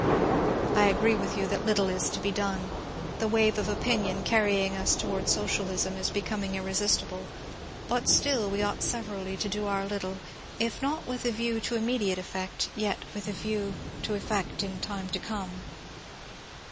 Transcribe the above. .•. I agree with you that little is to be done. The wave of opinion canying us toward Socialism is becoming irresistible ; but stiU we ought severally to do our little, if not with a view to immediate effect, yet with a view to effect in time to come.